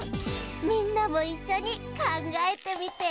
みんなもいっしょにかんがえてみて！